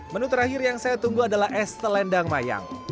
menu terakhir yang saya tunggu adalah es telendang mayang